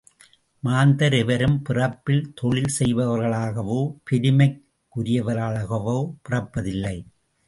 மாந்தர் எவரும் பிறப்பில் தொழில் செய்பவராகவோ, பெருமைக்குரியவராகவோ பிறப்பதில்லை.